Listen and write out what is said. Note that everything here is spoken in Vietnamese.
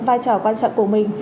vai trò quan trọng của mình